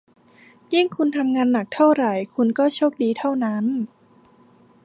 ยิ่งคุณทำงานหนักเท่าไหร่ คุณก็โชคดีเท่านั้น